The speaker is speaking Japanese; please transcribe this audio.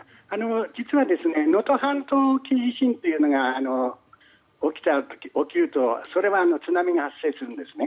実は、能登半島沖地震というのが起きると津波が発生するんですね。